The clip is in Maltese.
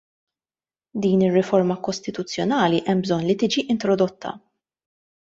Din ir-riforma kostituzzjonali hemm bżonn li tiġi introdotta.